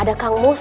ada kang mus